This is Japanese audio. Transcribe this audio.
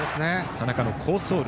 田中の好走塁。